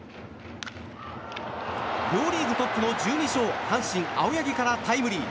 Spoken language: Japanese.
両リーグトップの１２勝阪神、青柳からタイムリー。